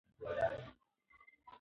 که باران وورېږي پاڼه به تازه شي.